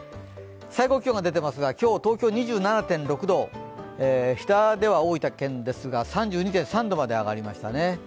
最高気温が出ていますが、今日、東京２７．６度、下では大分県ですが３２．３度まで上がりましたね。